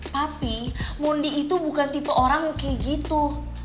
tapi mondi itu bukan tipe orang kayak gitu